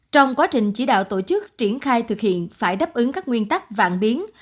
trong quá trình chỉ đạo tổ chức triển khai thực hiện phải đáp ứng các nguyên tắc vàng biến